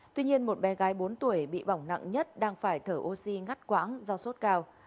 tuy nhiên một bé gái bốn tuổi bị bỏng nặng nhất đang phải thở oxy ngắt quãng do sốt cao